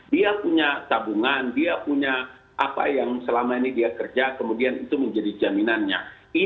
dia punya tabungan dia punya apa yang selama ini dia kerja kemudian itu menjadi jaminannya